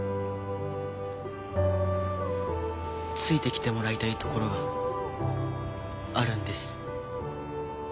ついてきてもらいたいところがあるんです。